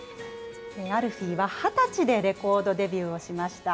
アルフィーは２０歳でレコードデビューをしました。